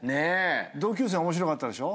同級生面白かったでしょ。